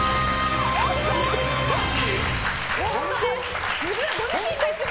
マジ？